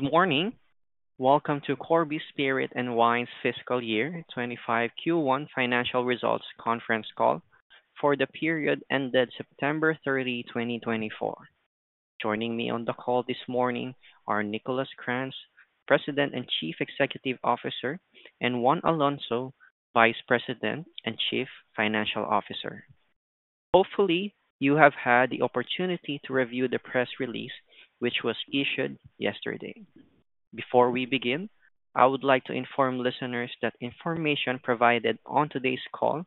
Good morning. Welcome to Corby Spirit and Wine's Fiscal Year 25 Q1 Financial Results Conference Call for the period ended September 30, 2024. Joining me on the call this morning are Nicolas Krantz, President and Chief Executive Officer, and Juan Alonso, Vice President and Chief Financial Officer. Hopefully, you have had the opportunity to review the press release which was issued yesterday. Before we begin, I would like to inform listeners that information provided on today's call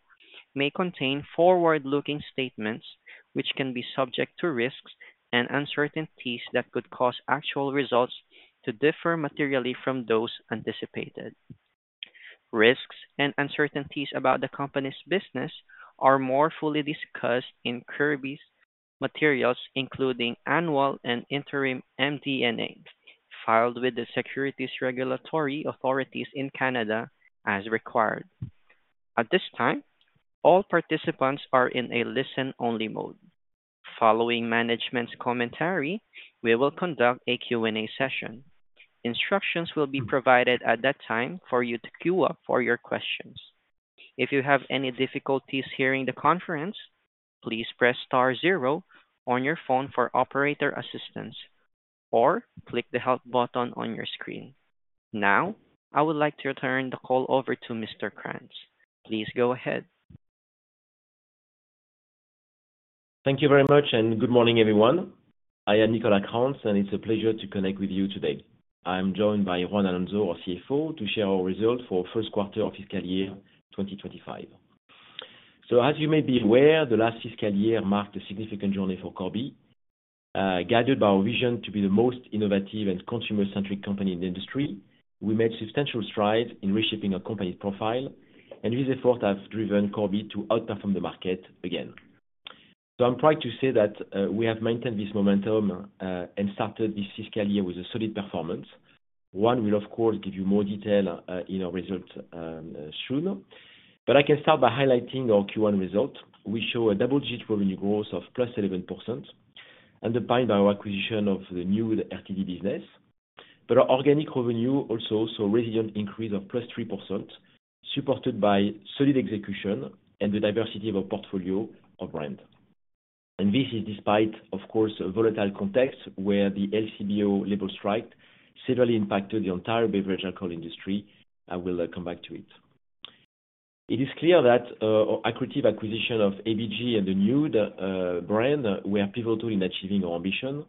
may contain forward-looking statements which can be subject to risks and uncertainties that could cause actual results to differ materially from those anticipated. Risks and uncertainties about the company's business are more fully discussed in Corby's materials, including annual and interim MD&A filed with the securities regulatory authorities in Canada as required. At this time, all participants are in a listen-only mode. Following management's commentary, we will conduct a Q&A session. Instructions will be provided at that time for you to queue up for your questions. If you have any difficulties hearing the conference, please press star zero on your phone for operator assistance or click the help button on your screen. Now, I would like to turn the call over to Mr. Krantz. Please go ahead. Thank you very much, and good morning, everyone. I am Nicolas Krantz, and it's a pleasure to connect with you today. I'm joined by Juan Alonso, our CFO, to share our results for the first quarter of fiscal year 2025. So, as you may be aware, the last fiscal year marked a significant journey for Corby. Guided by our vision to be the most innovative and consumer-centric company in the industry, we made substantial strides in reshaping our company's profile, and these efforts have driven Corby to outperform the market again. So, I'm proud to say that we have maintained this momentum and started this fiscal year with a solid performance. Juan will, of course, give you more detail in our results soon, but I can start by highlighting our Q1 results. We show a double-digit revenue growth of 11%, underpinned by our acquisition of the new RTD business. Our organic revenue also saw a resilient increase of 3%, supported by solid execution and the diversity of our portfolio of brands. This is despite, of course, a volatile context where the LCBO labour strike severely impacted the entire beverage alcohol industry. I will come back to it. It is clear that our acquisition of ABG and the new brand were pivotal in achieving our ambition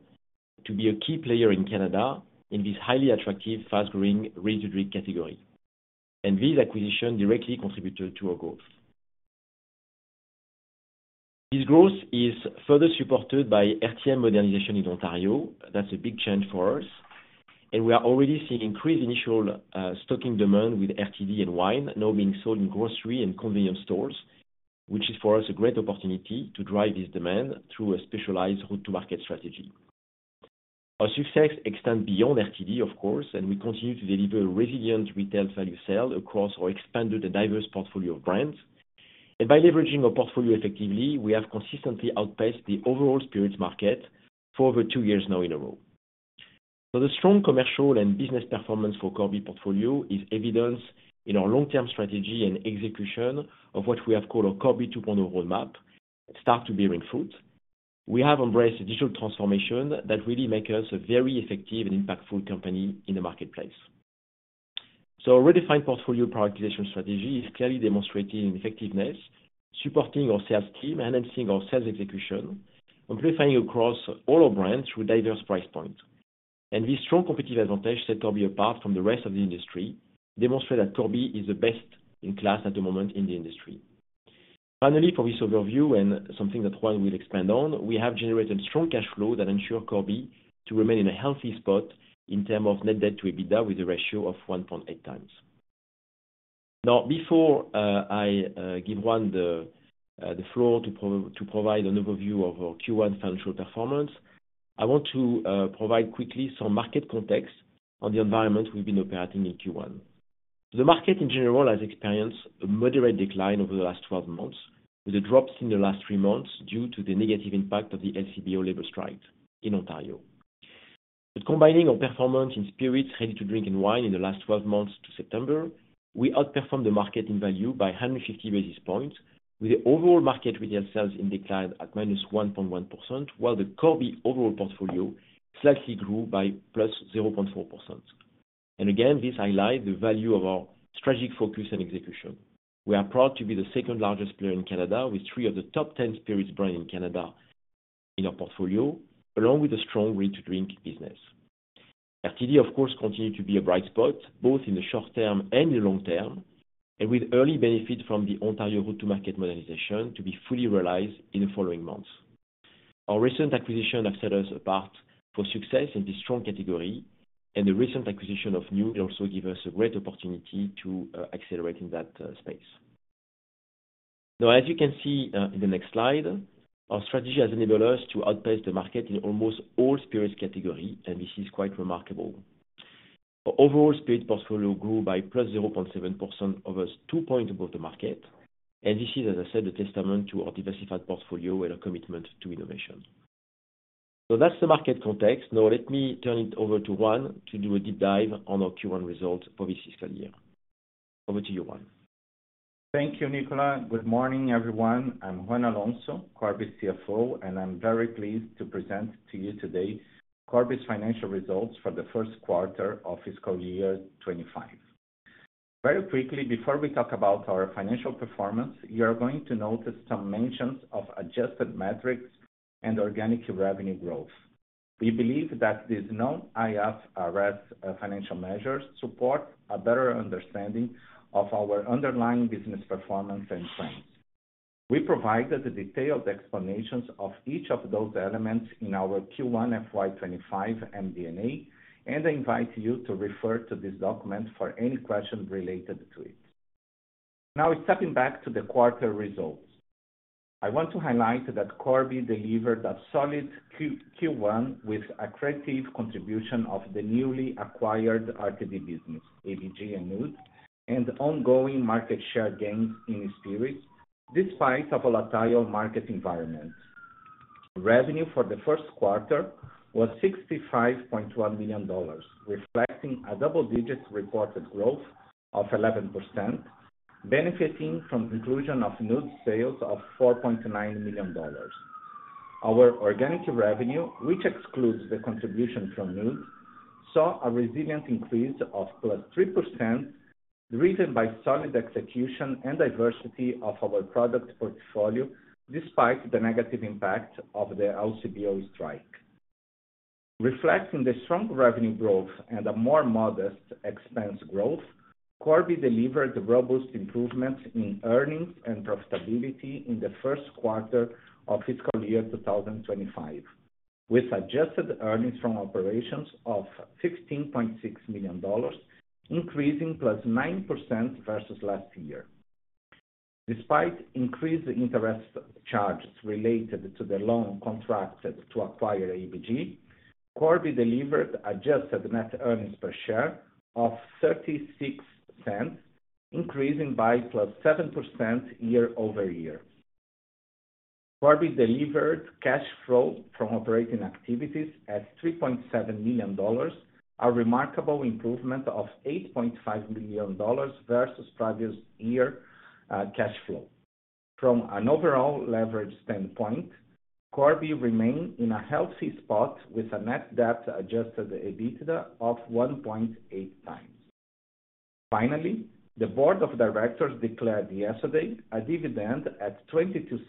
to be a key player in Canada in this highly attractive, fast-growing ready-to-drink category. These acquisitions directly contributed to our growth. This growth is further supported by RTM modernization in Ontario. That's a big change for us. We are already seeing increased initial stocking demand with RTD and wine now being sold in grocery and convenience stores, which is for us a great opportunity to drive this demand through a specialized route-to-market strategy. Our success extends beyond RTD, of course, and we continue to deliver resilient retail value sales across our expanded and diverse portfolio of brands, and by leveraging our portfolio effectively, we have consistently outpaced the overall spirits market for over two years now in a row, so the strong commercial and business performance for Corby's portfolio is evidenced in our long-term strategy and execution of what we have called our Corby 2.0 roadmap. It's starting to bear fruit. We have embraced a digital transformation that really makes us a very effective and impactful company in the marketplace, so our redefined portfolio prioritization strategy is clearly demonstrated in effectiveness, supporting our sales team, enhancing our sales execution, amplifying across all our brands through diverse price points. This strong competitive advantage sets Corby apart from the rest of the industry, demonstrating that Corby is the best in class at the moment in the industry. Finally, for this overview and something that Juan will expand on, we have generated strong cash flow that ensures Corby to remain in a healthy spot in terms of net debt to EBITDA with a ratio of 1.8 times. Now, before I give Juan the floor to provide an overview of our Q1 financial performance, I want to provide quickly some market context on the environment we've been operating in Q1. The market in general has experienced a moderate decline over the last 12 months, with a drop in the last three months due to the negative impact of the LCBO labour strike in Ontario. But combining our performance in spirits, ready-to-drink, and wine in the last 12 months to September, we outperformed the market in value by 150 basis points, with the overall market retail sales in decline at -1.1%, while the Corby overall portfolio slightly grew by +0.4%. And again, this highlights the value of our strategic focus and execution. We are proud to be the second-largest player in Canada, with three of the top 10 spirits brands in Canada in our portfolio, along with a strong ready-to-drink business. RTD, of course, continues to be a bright spot, both in the short term and the long term, and with early benefits from the Ontario route-to-market modernization to be fully realized in the following months. Our recent acquisition has set us apart for success in this strong category, and the recent acquisition of Nude also gives us a great opportunity to accelerate in that space. Now, as you can see in the next slide, our strategy has enabled us to outpace the market in almost all spirits categories, and this is quite remarkable. Our overall spirit portfolio grew by +0.7%, almost two points above the market. And this is, as I said, a testament to our diversified portfolio and our commitment to innovation. So, that's the market context. Now, let me turn it over to Juan to do a deep dive on our Q1 results for this fiscal year. Over to you, Juan. Thank you, Nicolas. Good morning, everyone. I'm Juan Alonso, Corby's CFO, and I'm very pleased to present to you today Corby's financial results for the first quarter of fiscal year 2025. Very quickly, before we talk about our financial performance, you're going to notice some mentions of adjusted metrics and organic revenue growth. We believe that these non-IFRS financial measures support a better understanding of our underlying business performance and trends. We provided detailed explanations of each of those elements in our Q1 fiscal year 2025 MD&A, and I invite you to refer to this document for any questions related to it. Now, stepping back to the quarter results, I want to highlight that Corby delivered a solid Q1 with accretive contribution of the newly acquired RTD business, ABG and Nude, and ongoing market share gains in spirits despite a volatile market environment. Revenue for the first quarter was 65.1 million dollars, reflecting a double-digit reported growth of 11%, benefiting from the inclusion of Nude sales of 4.9 million dollars. Our organic revenue, which excludes the contribution from Nude, saw a resilient increase of +3%, driven by solid execution and diversity of our product portfolio despite the negative impact of the LCBO strike. Reflecting the strong revenue growth and a more modest expense growth, Corby delivered robust improvements in earnings and profitability in the first quarter of fiscal year 2025, with adjusted earnings from operations of 15.6 million dollars, increasing +9% versus last year. Despite increased interest charges related to the loan contracted to acquire ABG, Corby delivered adjusted net earnings per share of 0.36, increasing by +7% year-over-year. Corby delivered cash flow from operating activities at 3.7 million dollars, a remarkable improvement of 8.5 million dollars versus previous year cash flow. From an overall leverage standpoint, Corby remained in a healthy spot with a net debt adjusted EBITDA of 1.8 times. Finally, the board of directors declared yesterday a dividend at 0.22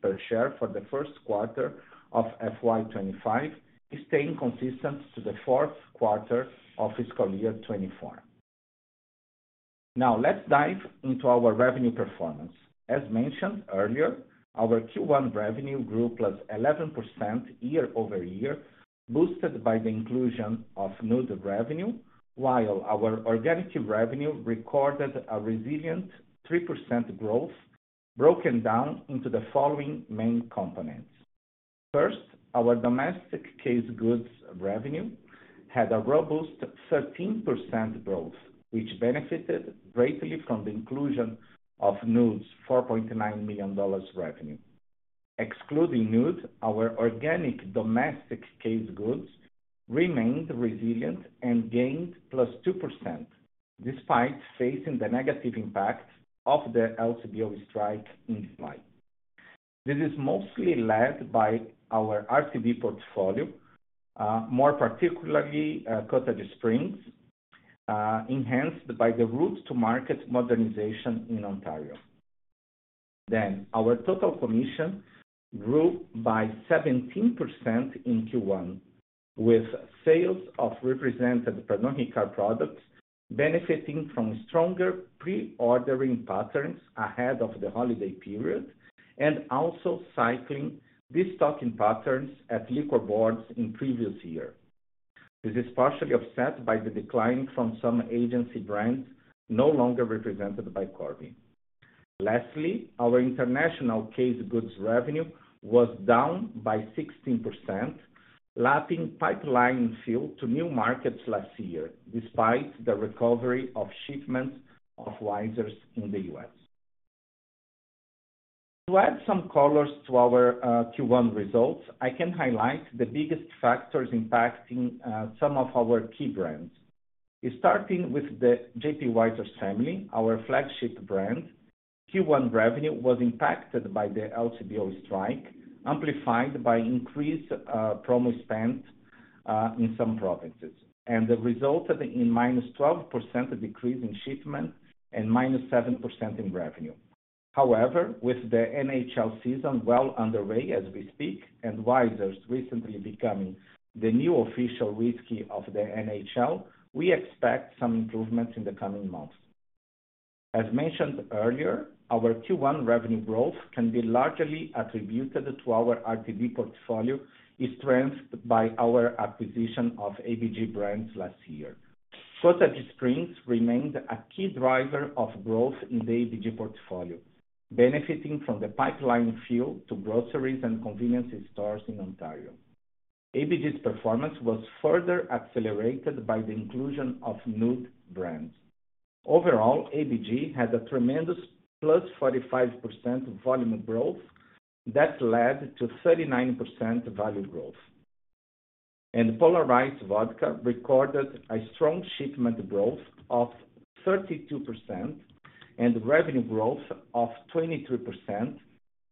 per share for the first quarter of fiscal year 2025, staying consistent to the fourth quarter of fiscal year 2024. Now, let's dive into our revenue performance. As mentioned earlier, our Q1 revenue grew +11% year-over-year, boosted by the inclusion of Nude revenue, while our organic revenue recorded a resilient 3% growth, broken down into the following main components. First, our domestic case goods revenue had a robust 13% growth, which benefited greatly from the inclusion of Nude's 4.9 million dollars revenue. Excluding Nude, our organic domestic case goods remained resilient and gained +2% despite facing the negative impact of the LCBO strike in July. This is mostly led by our RTD portfolio, more particularly Cottage Springs, enhanced by the route-to-market modernization in Ontario. Then, our total commission grew by 17% in Q1, with sales of represented Pernod Ricard products benefiting from stronger pre-ordering patterns ahead of the holiday period and also cycling the stocking patterns at liquor boards in previous years. This is partially offset by the decline from some agency brands no longer represented by Corby. Lastly, our international case goods revenue was down by 16%, lapping pipeline fill to new markets last year, despite the recovery of shipments of J.P. Wiser's in the US. To add some colors to our Q1 results, I can highlight the biggest factors impacting some of our key brands. Starting with the J.P. Wiser's family, our flagship brand, Q1 revenue was impacted by the LCBO strike, amplified by increased promo spend in some provinces, and resulted in a -12% decrease in shipments and -7% in revenue. However, with the NHL season well underway as we speak, and Wiser's recently becoming the new official whisky of the NHL, we expect some improvements in the coming months. As mentioned earlier, our Q1 revenue growth can be largely attributed to our RTD portfolio strengthened by our acquisition of ABG brands last year. Cottage Springs remained a key driver of growth in the ABG portfolio, benefiting from the pipeline fill to groceries and convenience stores in Ontario. ABG's performance was further accelerated by the inclusion of Nude brands. Overall, ABG had a tremendous +45% volume growth that led to 39% value growth. Polar Ice Vodka recorded a strong shipment growth of 32% and revenue growth of 23%,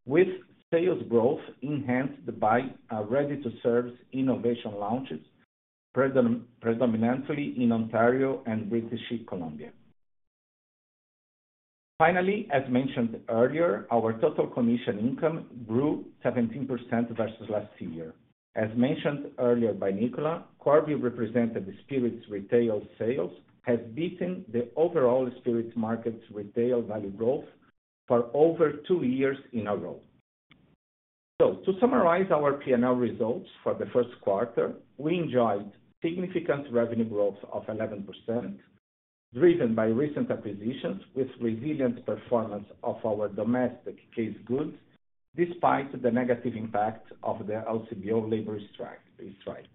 with sales growth enhanced by ready-to-drink innovation launches, predominantly in Ontario and British Columbia. Finally, as mentioned earlier, our total commission income grew 17% versus last year. As mentioned earlier by Nicolas, Corby represented the spirits retail sales has beaten the overall spirits market's retail value growth for over two years in a row. To summarize our P&L results for the first quarter, we enjoyed significant revenue growth of 11%, driven by recent acquisitions with resilient performance of our domestic case goods despite the negative impact of the LCBO labour strike.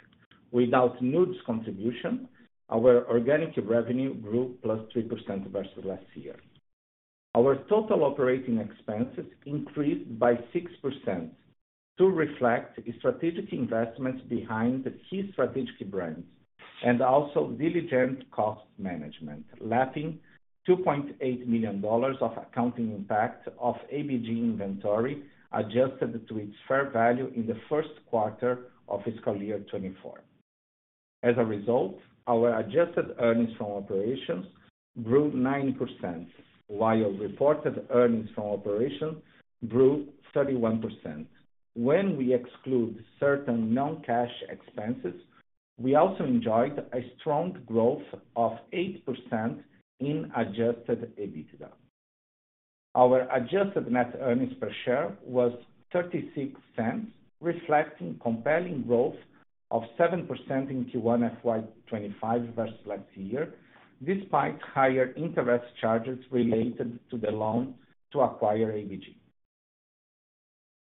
Without Nude's contribution, our organic revenue grew +3% versus last year. Our total operating expenses increased by 6% to reflect strategic investments behind key strategic brands and also diligent cost management, lapping 2.8 million dollars of accounting impact of ABG inventory adjusted to its fair value in the first quarter of fiscal year 2024. As a result, our adjusted earnings from operations grew 9%, while reported earnings from operations grew 31%. When we exclude certain non-cash expenses, we also enjoyed a strong growth of 8% in adjusted EBITDA. Our adjusted net earnings per share was 0.36, reflecting compelling growth of 7% in Q1 fiscal year 2025 versus last year, despite higher interest charges related to the loan to acquire ABG.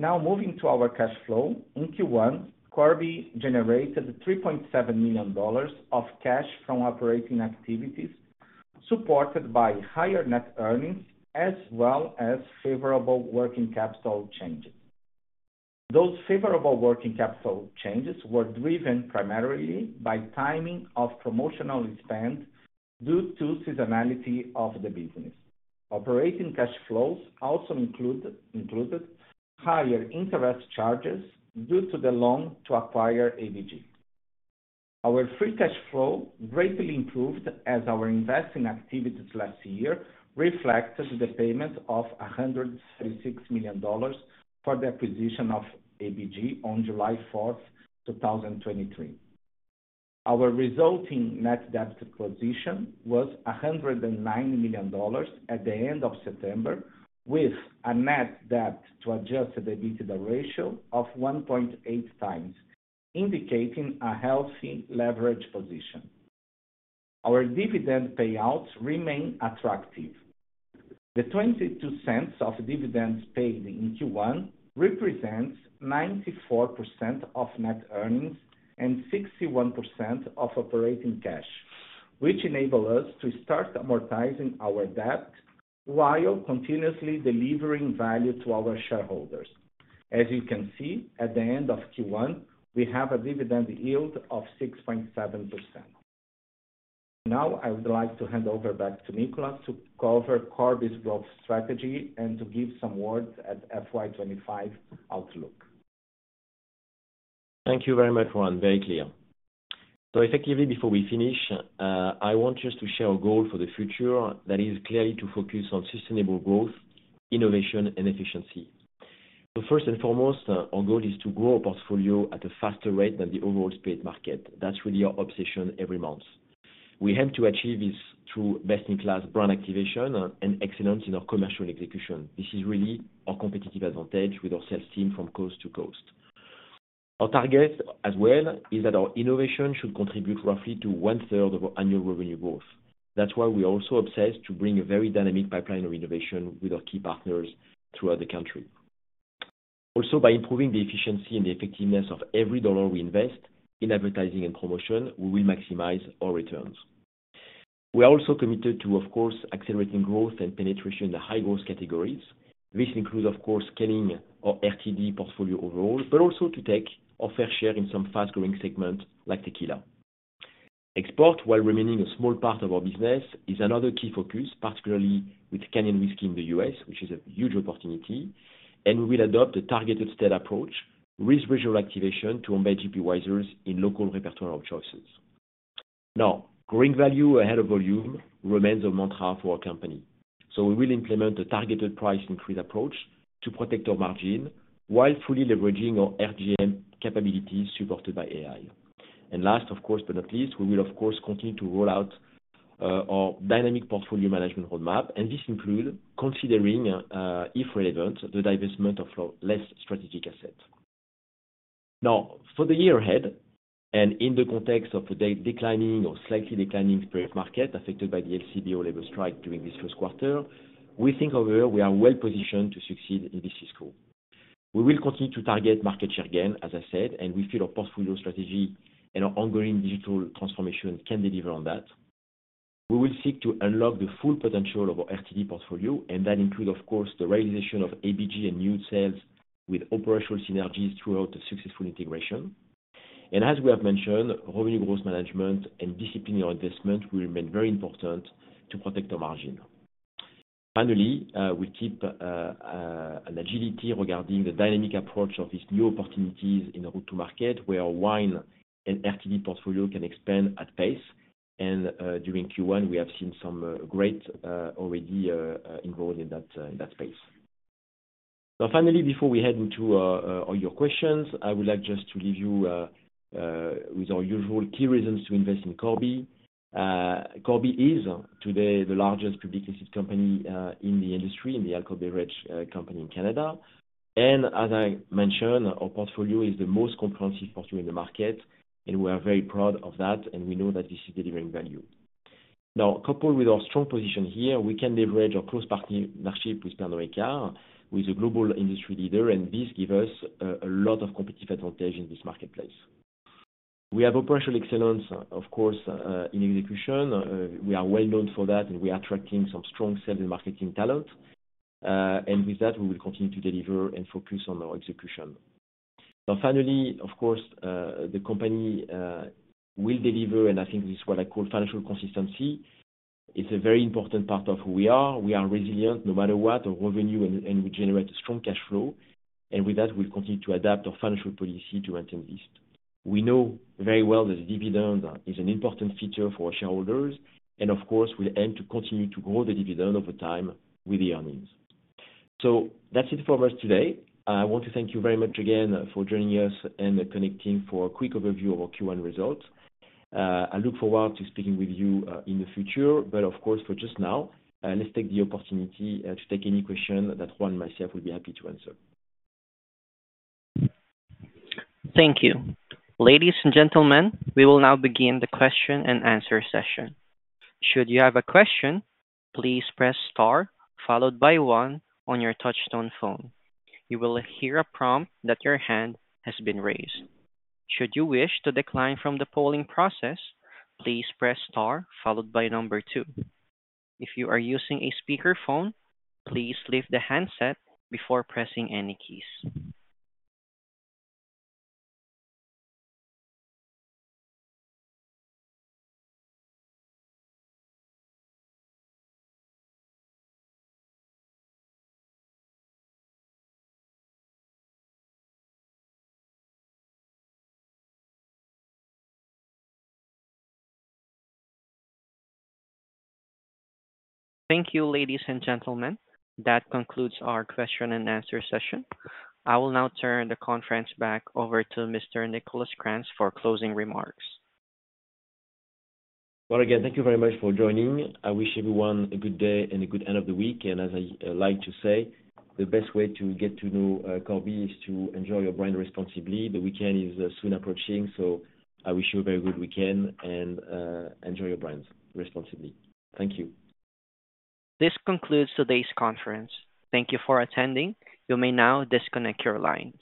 Now, moving to our cash flow, in Q1, Corby generated 3.7 million dollars of cash from operating activities, supported by higher net earnings as well as favorable working capital changes. Those favorable working capital changes were driven primarily by timing of promotional spend due to seasonality of the business. Operating cash flows also included higher interest charges due to the loan to acquire ABG. Our free cash flow greatly improved as our investing activities last year reflected the payment of 136 million dollars for the acquisition of ABG on July 4, 2023. Our resulting net debt position was 109 million dollars at the end of September, with a net debt to adjusted EBITDA ratio of 1.8 times, indicating a healthy leverage position. Our dividend payouts remain attractive. The 0.22 of dividends paid in Q1 represents 94% of net earnings and 61% of operating cash, which enables us to start amortizing our debt while continuously delivering value to our shareholders. As you can see, at the end of Q1, we have a dividend yield of 6.7%. Now, I would like to hand over back to Nicolas to cover Corby's growth strategy and to give some words at fiscal year 2025 outlook. Thank you very much, Juan. Very clear. So, effectively, before we finish, I want just to share a goal for the future that is clearly to focus on sustainable growth, innovation, and efficiency. So, first and foremost, our goal is to grow a portfolio at a faster rate than the overall spirit market. That's really our obsession every month. We aim to achieve this through best-in-class brand activation and excellence in our commercial execution. This is really our competitive advantage with our sales team from coast to coast. Our target, as well, is that our innovation should contribute roughly to one-third of our annual revenue growth. That's why we are also obsessed to bring a very dynamic pipeline of innovation with our key partners throughout the country. Also, by improving the efficiency and the effectiveness of every dollar we invest in advertising and promotion, we will maximize our returns. We are also committed to, of course, accelerating growth and penetration in the high-growth categories. This includes, of course, scaling our RTD portfolio overall, but also to take our fair share in some fast-growing segments like tequila. Export, while remaining a small part of our business, is another key focus, particularly with Canadian whisky in the US, which is a huge opportunity, and we will adopt a targeted steady approach, this regional activation to embed J.P. Wiser's in local repertoire of choices. Now, growing value ahead of volume remains a mantra for our company. So, we will implement a targeted price increase approach to protect our margin while fully leveraging our RGM capabilities supported by AI. And last, of course, but not least, we will, of course, continue to roll out our dynamic portfolio management roadmap, and this includes considering, if relevant, the divestment of less strategic assets. Now, for the year ahead, and in the context of a declining or slightly declining spirits market affected by the LCBO labour strike during this first quarter, we think, however, we are well-positioned to succeed in this fiscal. We will continue to target market share gain, as I said, and we feel our portfolio strategy and our ongoing digital transformation can deliver on that. We will seek to unlock the full potential of our RTD portfolio, and that includes, of course, the realization of ABG and Nude sales with operational synergies throughout the successful integration. And as we have mentioned, revenue growth management and disciplinary investment will remain very important to protect our margin. Finally, we keep an agility regarding the dynamic approach of these new opportunities in the route-to-market, where wine and RTD portfolio can expand at pace, and during Q1, we have seen some great already involved in that space. Now, finally, before we head into all your questions, I would like just to leave you with our usual key reasons to invest in Corby. Corby is today the largest publicly listed company in the industry in the alcoholic beverage industry in Canada, and as I mentioned, our portfolio is the most comprehensive portfolio in the market, and we are very proud of that, and we know that this is delivering value. Now, coupled with our strong position here, we can leverage our close partnership with Pernod Ricard, who is a global industry leader, and this gives us a lot of competitive advantage in this marketplace. We have operational excellence, of course, in execution. We are well-known for that, and we are attracting some strong sales and marketing talent. And with that, we will continue to deliver and focus on our execution. Now, finally, of course, the company will deliver, and I think this is what I call financial consistency. It's a very important part of who we are. We are resilient no matter what our revenue, and we generate a strong cash flow. And with that, we'll continue to adapt our financial policy to maintain this. We know very well that dividend is an important feature for our shareholders, and of course, we aim to continue to grow the dividend over time with the earnings. So, that's it for us today. I want to thank you very much again for joining us and connecting for a quick overview of our Q1 results. I look forward to speaking with you in the future, but of course, for just now, let's take the opportunity to take any question that Juan and myself will be happy to answer. Thank you. Ladies and gentlemen, we will now begin the question and answer session. Should you have a question, please press star followed by one on your touch-tone phone. You will hear a prompt that your hand has been raised. Should you wish to decline from the polling process, please press star followed by number two. If you are using a speakerphone, please lift the handset before pressing any keys. Thank you, ladies and gentlemen. That concludes our question and answer session. I will now turn the conference back over to Mr. Nicolas Krantz for closing remarks. Again, thank you very much for joining. I wish everyone a good day and a good end of the week. As I like to say, the best way to get to know Corby is to enjoy your brand responsibly. The weekend is soon approaching, so I wish you a very good weekend and enjoy your brands responsibly. Thank you. This concludes today's conference. Thank you for attending. You may now disconnect your lines.